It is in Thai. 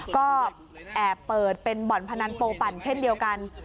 ก็แอบเปิดเป็นบ่อนพนันโปปั่นเช่นเดียวกัน